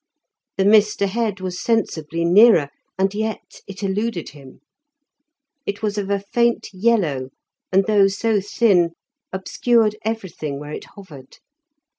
The mist ahead was sensibly nearer, and yet it eluded him; it was of a faint yellow, and though so thin, obscured everything where it hovered.